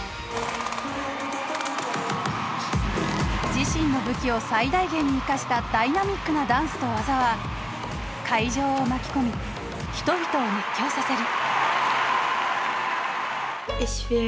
自身の武器を最大限に生かしたダイナミックなダンスと技は会場を巻き込み人々を熱狂させる。